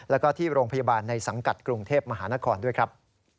แล้วก็ที่โรงพยาบาลในสังกัดกรุงเทพมหานครด้วยครับ